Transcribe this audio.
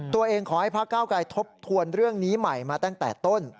ขอให้พระเก้าไกลทบทวนเรื่องนี้ใหม่มาตั้งแต่ต้น